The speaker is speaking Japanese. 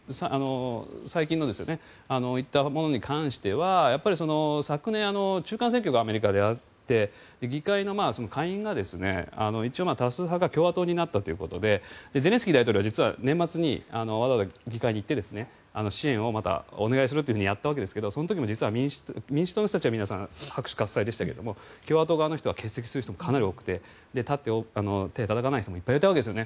最近行ったものに関しては昨年、中間選挙がアメリカであって議会の下院が一応、多数派が共和党になったということでゼレンスキー大統領は実は年末にわざわざ議会に行って支援をまたお願いするとやったわけですがその時も実は民主党の人たちは拍手喝采でしたが共和党側の人は欠席する人もかなり多くて立って、手をたたかない人もいっぱいいたわけですよね。